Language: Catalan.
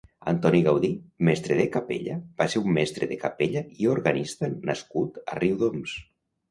Antoni Gaudí (mestre de capella) va ser un mestre de capella i organista nascut a Riudoms.